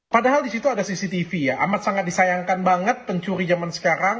padahal di situ ada cctv ya amat sangat disayangkan banget pencuri zaman sekarang